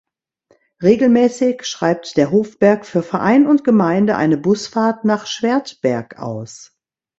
Regelmäßig schreibt der Hofberg für Verein und Gemeinde eine Busfahrt nach Schwertberg aus.